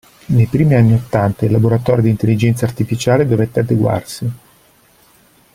Nei primi anni ottanta il laboratorio di Intelligenza Artificiale dovette adeguarsi.